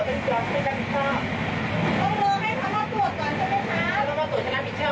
ไม่เคยกลัวค่ะไม่เคยกลัวค่ะไม่เคยกลัวค่ะไม่เคยกลัวค่ะ